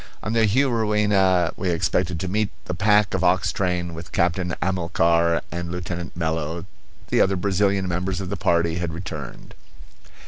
On the Juruena we expected to meet the pack ox train with Captain Amilcar and Lieutenant Mello; the other Brazilian members of the party had returned.